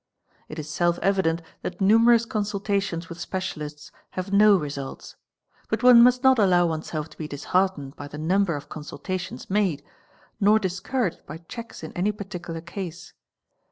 | f It is self evident that numerous consultations with specialists have no results; but one must not allow oneself to be disheartened by the number of consultations made, nor discouraged by checks in any parti cular case.